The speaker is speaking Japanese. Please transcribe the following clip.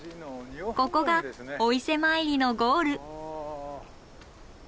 ここがお伊勢参りのゴール。